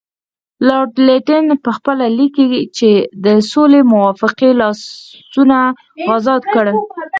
لارډ لیټن پخپله لیکي چې د سولې موافقې لاسونه ازاد کړل.